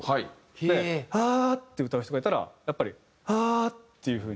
で「アー」って歌う人がいたらやっぱり「アー」っていう風に。